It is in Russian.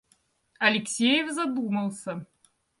Алексеев задумался.